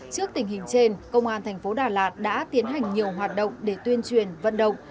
trước tình hình trên công an thành phố đà lạt đã tiến hành nhiều hoạt động để tuyên truyền vận động